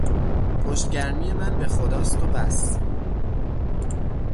پشت گرمی من به خداست و بس.